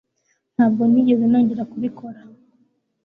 Ntabwo nigeze nongera kubikora